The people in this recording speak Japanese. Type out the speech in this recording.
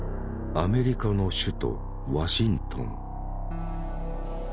アメリカの首都ワシントン。